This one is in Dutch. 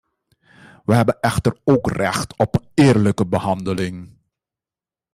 We hebben echter ook recht op een eerlijke behandeling.